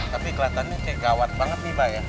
tapi kelihatannya pak gawat banget ya